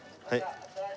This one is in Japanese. はい。